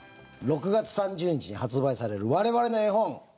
６月３０日に発売される我々の絵本。